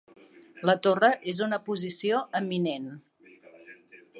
La torre és en una posició eminent.